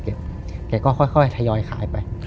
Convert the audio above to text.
แกก็ค่อยทยอยขายไป